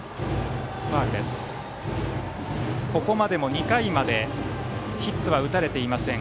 ここまで、２回までヒットは打たれていません。